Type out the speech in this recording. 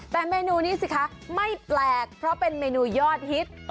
แต่เมนูนี้สิคะไม่แปลกเพราะเป็นเมนูยอดฮิต